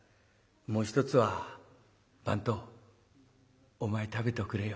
もう一つは番頭お前食べておくれよ」。